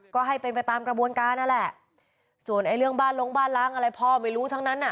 ก็ให้เป็นไปตามกระบวนการนั่นแหละส่วนไอ้เรื่องบ้านลงบ้านล้างอะไรพ่อไม่รู้ทั้งนั้นอ่ะ